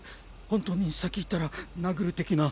本当に先行ったら殴る的な。